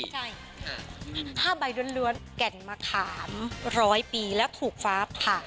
ใช่๕ใบล้วนแก่นมะขามร้อยปีแล้วถูกฟ้าผ่า